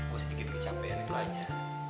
mau sedikit kecapean itu aja